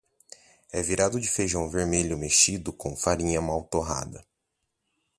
É virado de feijão velho mexido com farinha mal torrada.